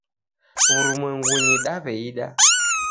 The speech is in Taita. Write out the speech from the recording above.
W'urumwengunyi daw'eida